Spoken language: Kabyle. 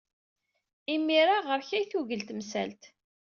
Imir-a, ɣer-k ay tugel temsalt.